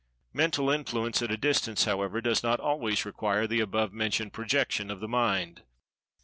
Mental influence at a distance, however, does not always require the above mentioned projection of the Mind.